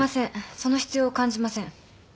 その必要を感じません。